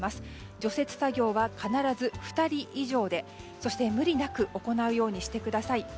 除雪作業は必ず２人以上でそして無理なく行うようにしてください。